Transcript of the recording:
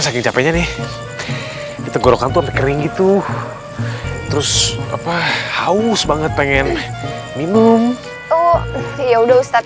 saking capeknya nih tenggorokan tuh kering gitu terus apa haus banget pengen minum oh ya udah ustadz